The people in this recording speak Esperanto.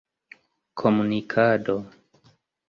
komunikado